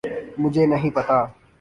مجھے نہیں پتہ۔